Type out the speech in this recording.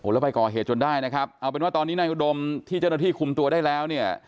แล้วไปก่อเหตุจนได้นะครับเอาเป็นว่าตอนนี้นายอุดมที่เจ้าหน้าที่คุมตัวได้แล้วเนี่ย